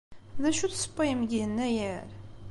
D acu i tessewwayem deg Yennayer?